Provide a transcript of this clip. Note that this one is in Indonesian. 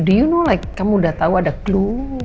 do you know like kamu udah tau ada clue